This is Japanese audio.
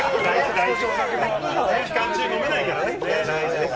期間中、飲めないからね。